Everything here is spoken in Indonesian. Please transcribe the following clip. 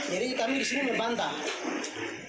jadi kami disini membantah